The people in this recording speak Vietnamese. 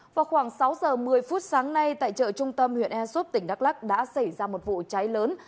vào khoảng sáu giờ một mươi phút sáng nay tại chợ trung tâm huyện ea súp tỉnh đắk lắc đã xảy ra một vụ cháy lớn